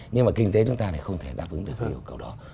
nhưng mà kinh tế chúng ta không thể đáp ứng được điều đó